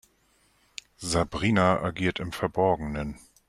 Sabrina agiert im Verborgenen.